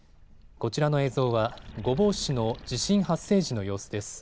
こちらの映像は御坊市の地震発生時の様子です。